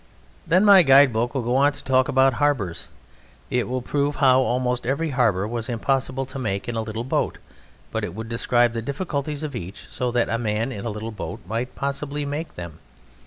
Then my guide book will go on to talk about harbours; it will prove how almost every harbour was impossible to make in a little boat; but it would describe the difficulties of each so that a man in a little boat might possibly make them.